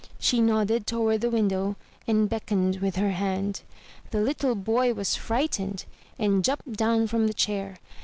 She nodded toward the window, and beckoned with her hand. The little boy was frightened, and jumped down from the chair.